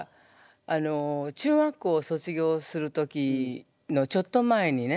あの中学校を卒業する時のちょっと前にね